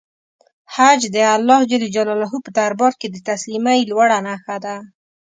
حج د الله په دربار کې د تسلیمۍ لوړه نښه ده.